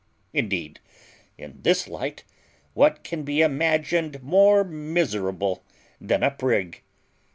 Indeed, in this light, what can be imagined more miserable than a prig?